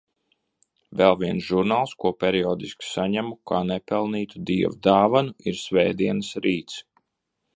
Vēl viens žurnāls, ko periodiski saņemu kā nepelnītu Dieva dāvanu, ir Svētdienas Rīts.